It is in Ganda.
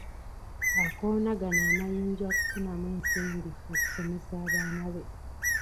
Akoona gano amayinja okufunamu ensimbi okusomesa abaana be .